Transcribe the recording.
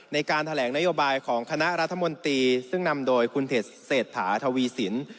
ในการแถลงนโยบายของคณะรัฐมนตรีซึ่งนำโดยคุณเศรษฐาทวีสิน